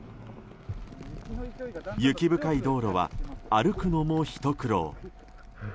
雪深い道路は歩くのもひと苦労。